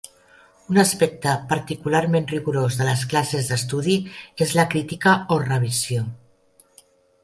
Un aspecte particularment rigorós de les classes d'estudi és la "crítica" o "revisió.